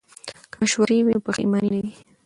که مشوره وي نو پښیمانی نه وي.